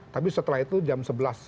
tapi setelah itu jam sebelas